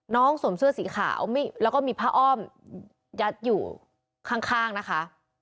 น้องสวมเสื้อสีขาวแล้วก็มีพระอ้อมยัดอยู่ข้างข้างนะคะ